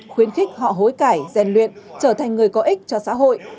khuyến khích họ hối cải gian luyện trở thành người có ích cho xã hội